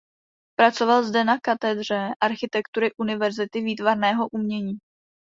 Pracoval zde na katedře architektury Univerzity výtvarného umění.